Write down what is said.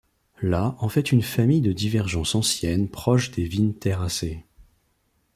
La en fait une famille de divergence ancienne proche des Wintéracées.